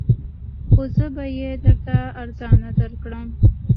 خو زه به یې درته ارزانه درکړم